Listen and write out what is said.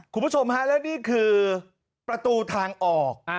คุณผู้ชมฮะแล้วนี่คือประตูทางออก